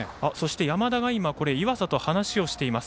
山田が今岩佐と話をしています。